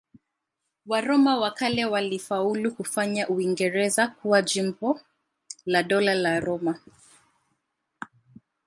Waroma wa kale walifaulu kufanya Uingereza kuwa jimbo la Dola la Roma.